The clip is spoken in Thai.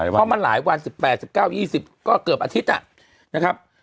เพราะมันหลายวัน๑๘๑๙๒๐ก็เกือบอาทิตย์นะครับ